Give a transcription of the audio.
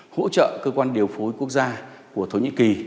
hỗ trợ cơ quan điều phối quốc gia của thổ nhĩ kỳ